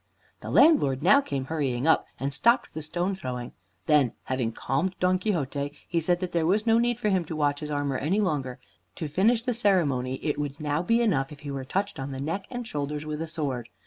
The landlord now came hurrying up and stopped the stone throwing; then, having calmed Don Quixote, he said that there was no need for him to watch his armor any longer; to finish the ceremony it would now be enough if he were touched on the neck and shoulders with a sword.